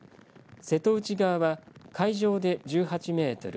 瀬戸内側は海上で１８メートル